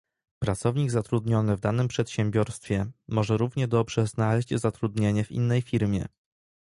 Pracownik zatrudniony w danym przedsiębiorstwie może równie dobrze znaleźć zatrudnienie w innej firmie